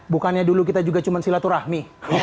bukannya dulu kita juga cuma silaturahmi